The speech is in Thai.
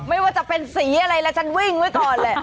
ไม่ว่าจะเป็นสีอะไรแล้วฉันวิ่งไว้ก่อนแหละ